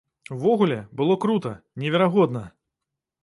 Увогуле, было крута, неверагодна!